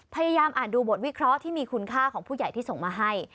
พยายามอ่านดูบทวิเคราะห์ที่มีคุณค่าของผู้ใหญ่ที่ส่งมาให้